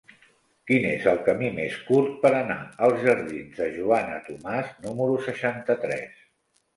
Quin és el camí més curt per anar als jardins de Joana Tomàs número seixanta-tres?